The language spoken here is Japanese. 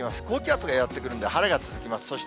高気圧がやって来るんで、晴れが続きます。